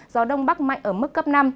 gió đông bắc mạnh ở mức cấp năm